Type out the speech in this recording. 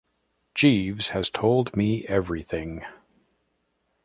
Jeeves has told me everything.